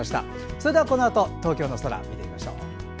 それではこのあと東京の空を見ましょう。